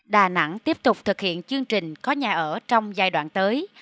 đà nẵng tiếp tục thực hiện chương trình có nhà ở trong giai đoạn tới